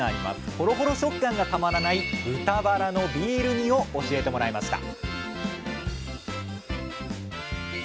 ホロホロ食感がたまらない「豚バラのビール煮」を教えてもらいました